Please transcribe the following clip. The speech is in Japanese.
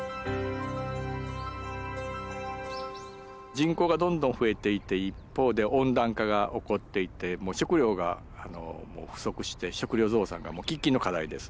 人口がどんどん増えていて一方で温暖化が起こっていてもう食糧が不足して食糧増産が喫緊の課題です。